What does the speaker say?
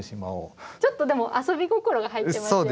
ちょっとでも遊び心が入ってますよね。